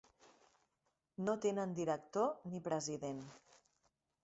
No tenen director ni president.